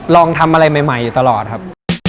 ลองทำอะไรใหม่อยู่ตลอดครับ